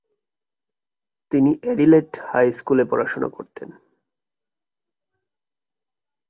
তিনি Adelaide high স্কুলে পড়াশোনা করতেন।